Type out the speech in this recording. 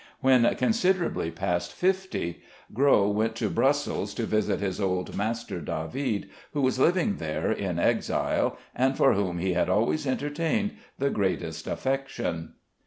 When considerably past fifty, Gros went to Brussels to visit his old master, David, who was living there in exile, and for whom he had always entertained the greatest affection.